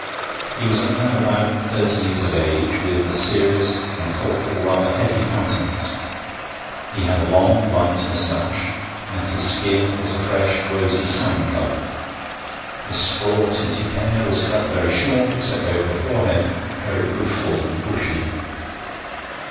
He was a man about thirty years of age, with a serious and thoughtful, rather heavy countenance. He had a long light moustache, and his skin was a fresh, rosy salmon colour; his straw tinted hair was cut very short, except over the forehead, where it grew full and bushy.